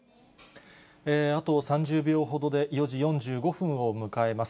あと３０秒ほどで、４時４５分を迎えます。